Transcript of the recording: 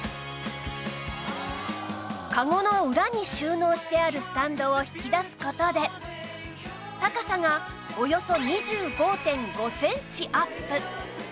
カゴの裏に収納してあるスタンドを引き出す事で高さがおよそ ２５．５ センチアップ